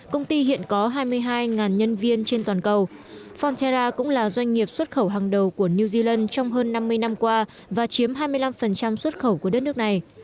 công ty hiện có hai mươi hai nhân viên trên toàn cầu fornterra cũng là doanh nghiệp xuất khẩu hàng đầu của new zealand trong hơn năm mươi năm qua và chiếm hai mươi năm xuất khẩu của đất nước này